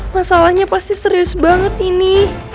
masalahnya pasti serius banget ini